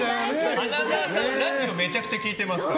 花澤さん、ラジオめちゃくちゃ聴いてますから。